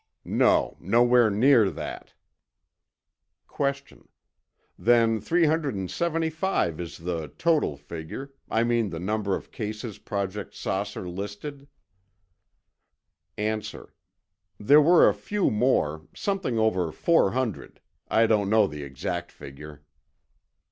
No, nowhere near that. Q. Then 375 is the total figure—I mean the number of cases Project "Saucer" listed? A. There were a few more—something over four hundred. I don't know the exact figure.